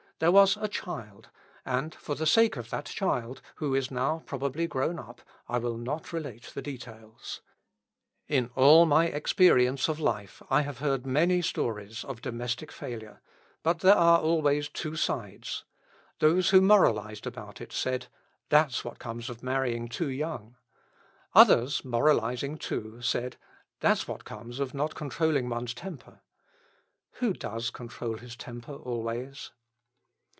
There was a child, and for the sake of that child, who is now probably grown up, I will not relate the details. In all my experience of life I have heard many stories of domestic failure, but there are always two sides. Those who moralised about it said, "That's what comes of marrying too young!" Others, moralising too, said, "That's what comes of not controlling one's temper." Who does control his temper, always?